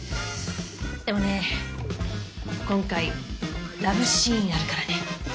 でもね今回ラブシーンあるからね。